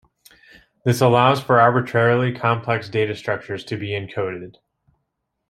This allows for arbitrarily complex data structures to be encoded.